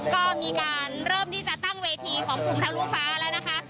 ก็มีการเริ่มที่จะตั้งเวทีของกลุ่มทะลุฟ้าแล้วนะคะ